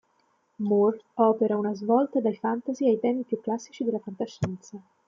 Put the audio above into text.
Moore opera una svolta dal fantasy ai temi più classici della fantascienza.